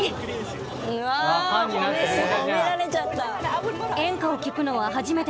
褒められちゃった。